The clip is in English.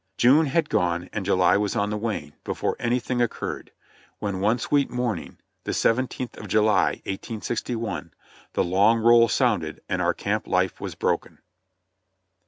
June had gone and July was on the wane before anything oc curred, when one sweet morning, the seventeenth of July, 1861, the long roll sounded and our camp life was broken.